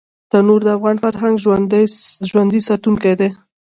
تنور د افغان فرهنګ ژوندي ساتونکی دی